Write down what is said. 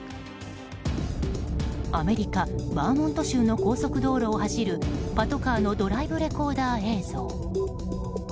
アメリカ・バーモント州の高速道路を走るパトカーのドライブレコーダー映像。